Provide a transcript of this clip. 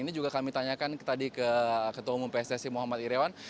ini juga kami tanyakan tadi ke ketua umum pssi muhammad iryawan